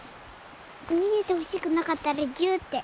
逃げてほしくなかったらギューッて。